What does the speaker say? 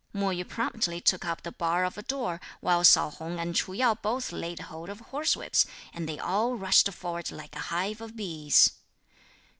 Mo Yü promptly took up the bar of a door; while Sao Hung and Ch'u Yo both laid hold of horsewhips, and they all rushed forward like a hive of bees.